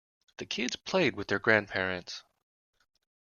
The kids played with their grandparents.